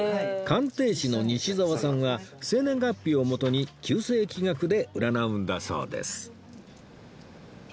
鑑定士の西澤さんは生年月日をもとに九星気学で占うんだそうです